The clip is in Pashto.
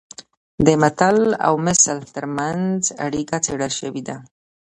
د متل او مثل ترمنځ اړیکه څېړل شوې ده